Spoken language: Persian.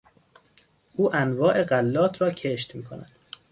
او انواع غلات را کشت میکند.